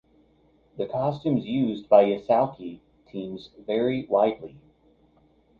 The costumes used by yosakoi teams vary widely.